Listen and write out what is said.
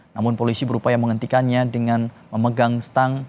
namun polisi berupaya menghentikannya dengan memegang stang